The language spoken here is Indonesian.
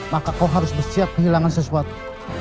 maka kau harus bersiap kehilangan sesuatu